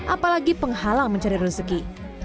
apalagi penghalang mencari rezeki